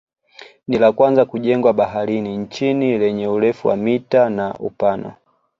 Ni la kwanza kujengwa baharini nchini lenye urefu wa mita na upana